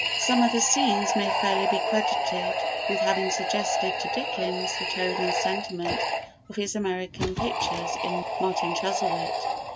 Some of the scenes may fairly be credited with having suggested to Dickens the tone and sentiment of his American pictures in "Martin Chuzzlewit."